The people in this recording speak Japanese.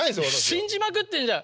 信じまくってんじゃん。